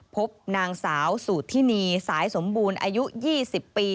พบนางสาวสุธินีสายสมบูรณ์อายุ๒๐ปี